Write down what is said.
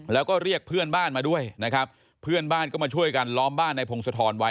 แล้วก็เรียกเพื่อนบ้านมาด้วยนะครับเพื่อนบ้านก็มาช่วยกันล้อมบ้านในพงศธรไว้